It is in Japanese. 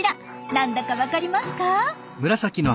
何だかわかりますか？